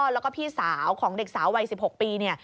แล้วก็พี่สาวของเด็กสาววัย๑๖ปีเนี่ย